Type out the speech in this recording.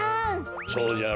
そうじゃろ？